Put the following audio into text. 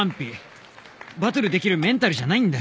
バトルできるメンタルじゃないんだよ